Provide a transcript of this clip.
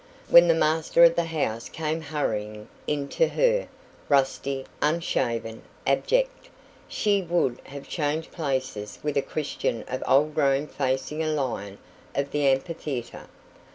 When the master of the house came hurrying in to her, rusty, unshaven, abject, she would have changed places with a Christian of old Rome facing a lion of the amphitheatre.